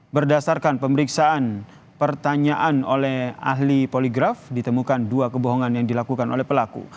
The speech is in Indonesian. berdasarkan pemeriksaan pertanyaan oleh ahli poligraf ditemukan dua kebohongan yang dilakukan oleh pelaku